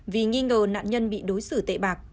vì nghi ngờ nạn nhân bị đối xử tệ bạc